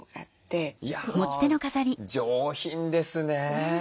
いや上品ですね。